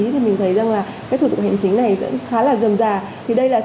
thì mình thấy rằng là cái thuật hệ chính này vẫn khá là dầm dà